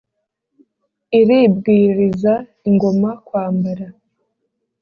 Iribwiriza ingoma kwambara.